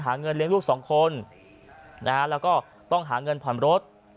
เงินเลี้ยงลูกสองคนนะฮะแล้วก็ต้องหาเงินผ่อนรถ